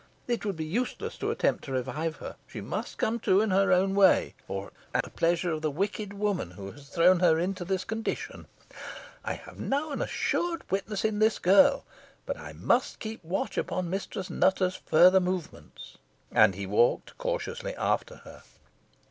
It would be useless to attempt to revive her; she must come to in her own way, or at the pleasure of the wicked woman who has thrown her into this condition. I have now an assured witness in this girl. But I must keep watch upon Mistress Nutter's further movements." And he walked cautiously after her.